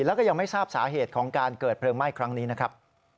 แล้วก็ยังไม่ทราบสาเหตุของการเกิดเพลิงไหม้ครั้งนี้นะครับ